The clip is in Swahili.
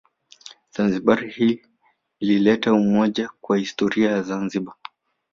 Zanzibar hii ilileta umoja katika historia ya zanzibar